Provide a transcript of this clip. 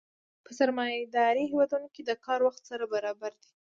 په سرمایه داري هېوادونو کې د کار وخت سره برابر دی